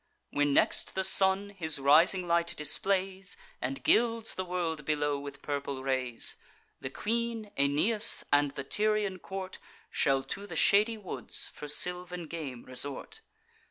When next the Sun his rising light displays, And gilds the world below with purple rays, The queen, Aeneas, and the Tyrian court Shall to the shady woods, for sylvan game, resort.